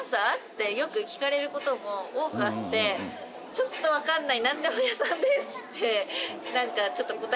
ちょっと分かんない。